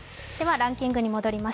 ランキングに戻ります。